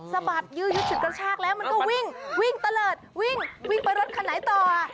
สะบัดยื้อยุดฉุดกระชากแล้วมันก็วิ่งวิ่งตะเลิศวิ่งวิ่งไปรถคันไหนต่อ